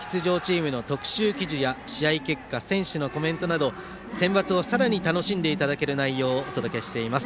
大会中は出場チームの特集記事や試合結果、選手のコメントなどセンバツをさらに楽しんでいただける内容をお届けします。